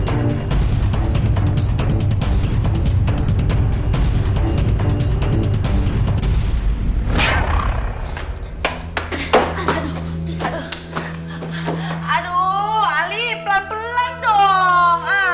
aduh ali pelan pelan dong